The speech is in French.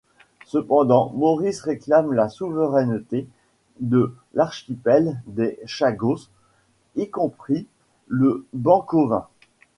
Cependant, Maurice réclame la souveraineté de l'archipel des Chagos, y compris le banc Cauvin.